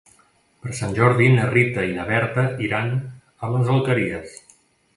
Per Sant Jordi na Rita i na Berta iran a les Alqueries.